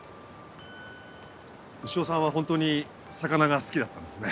潮さんは本当に魚が好きだったんですね。